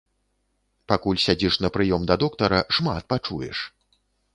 Пакуль сядзіш на прыём да доктара, шмат пачуеш!